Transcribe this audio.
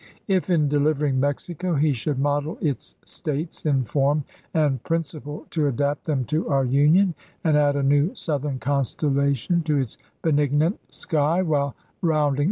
If in delivering Mexico he should model its States in form and principle to adapt them to our Union and add a new Southern constellation to its benignant sky while rounding 102 ABEAHAM LINCOLN chap.v.